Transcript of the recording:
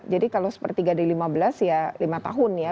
jadi kalau sepertiga dari lima belas ya lima tahun ya